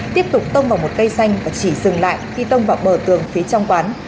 tiếp tục tông vào một cây xanh và chỉ dừng lại khi tông vào bờ tường phía trong quán